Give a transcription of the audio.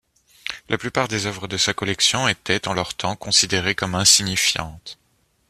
La plupart des œuvres de sa collection étaient, en leur temps, considérées comme insignifiantes.